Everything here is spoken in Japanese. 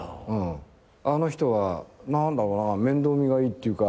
あの人は何だろうな面倒見がいいっていうか。